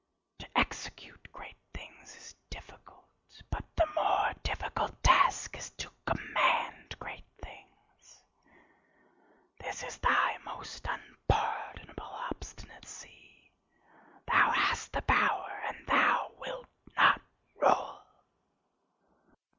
To execute great things is difficult: but the more difficult task is to command great things. This is thy most unpardonable obstinacy: thou hast the power, and thou wilt not rule."